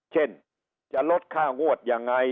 เช่นจะลดค่างวดยังไง